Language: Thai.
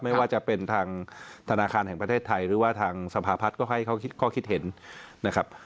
ไม่ว่าจะเป็นทางธนาคารแห่งประเทศไทยหรือว่าทางสภาพัฒน์ก็ให้ข้อคิดเห็นนะครับ